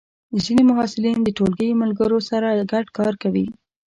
ځینې محصلین د ټولګی ملګرو سره ګډ کار کوي.